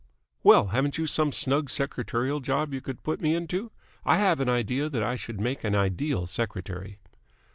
"Well, haven't you some snug secretarial job you could put me into? I have an idea that I should make an ideal secretary."